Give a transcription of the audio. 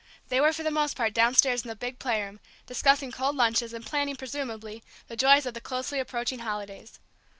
They were for the most part downstairs in the big playroom, discussing cold lunches, and planning, presumably, the joys of the closely approaching holidays.